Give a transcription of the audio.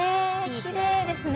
きれいですね。